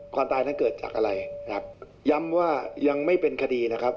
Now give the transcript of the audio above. ความตายนั้นเกิดจากอะไรนะครับย้ำว่ายังไม่เป็นคดีนะครับ